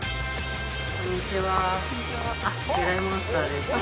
こんにちは。